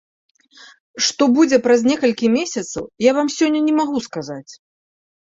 Што будзе праз некалькі месяцаў, я вам сёння не магу сказаць.